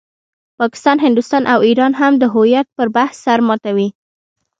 پاکستان، هندوستان او ایران هم د هویت پر بحث سر ماتوي.